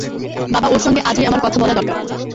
বাবা, ওঁর সঙ্গে আজই আমার কথা বলা দরকার।